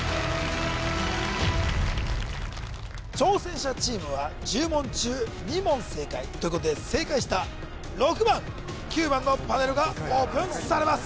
挑戦者チームは１０問中２問正解ということで正解した６番９番のパネルがオープンされます